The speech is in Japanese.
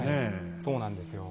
そうなんですよ。